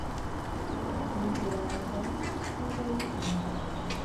nizeraga ko yari umuganga